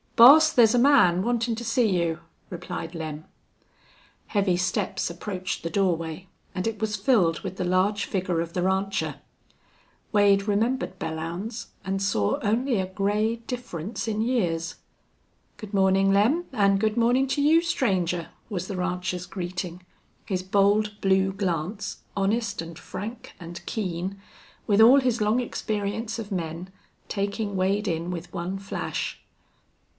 "Boss, thar's a man wantin' to see you," replied Lem. Heavy steps approached the doorway and it was filled with the large figure of the rancher. Wade remembered Belllounds and saw only a gray difference in years. "Good mornin', Lem, an' good moinin' to you, stranger," was the rancher's greeting, his bold, blue glance, honest and frank and keen, with all his long experience of men, taking Wade in with one flash.